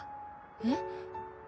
えっ？